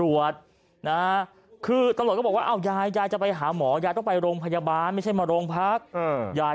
พี่ยายทำไมพี่ยายทำไมพี่ยายทำไมพี่ยายทำไมพี่ยาย